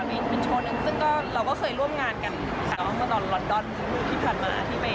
มีเป็นโชว์หนึ่งซึ่งก็เราก็เคยร่วมงานกันค่ะ